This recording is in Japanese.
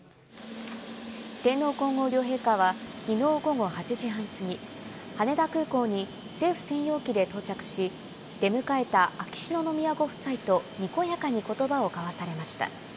天皇皇后両陛下はきのう午後８時半過ぎ、羽田空港に政府専用機で到着し、出迎えた秋篠宮ご夫妻とにこやかにことばを交わされました。